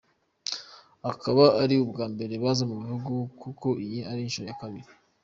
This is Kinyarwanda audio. Akaba atari ubwa mbere baza mu gihugu kuko iyi ari inshuro ya kabiri.